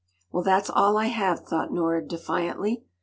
“Well, that’s all I have!” thought Nora defiantly.